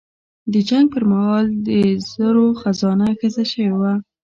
د جنګ پر مهال د زرو خزانه ښخه شوې وه.